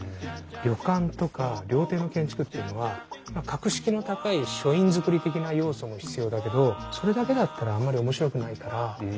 旅館とか料亭の建築っていうのは格式の高い書院造り的な要素も必要だけどそれだけだったらあんまり面白くないからちょっと崩す。